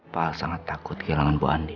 pak al sangat takut kehilangan bu andin